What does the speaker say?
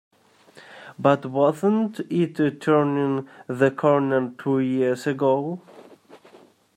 But wasn't it turning the corner two years ago?